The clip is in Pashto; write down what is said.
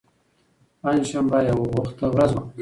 پنجشنبه یوه بوخته ورځ وه.